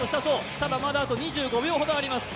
ただ、まだあと２５秒ほどあります。